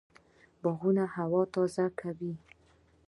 باغونه هوا تازه کوي